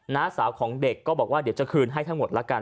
น้าสาวของเด็กก็บอกว่าเดี๋ยวจะคืนให้ทั้งหมดละกัน